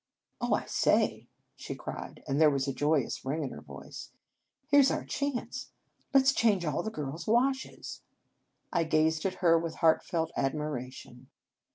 "Oh! I say," she cried, and there was a joyous ring in her voice. " Here s our chance. Let s change all the girls washes." I gazed at her with heartfelt ad miration.